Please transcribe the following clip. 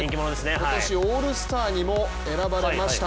今年オールスターにも選ばれました。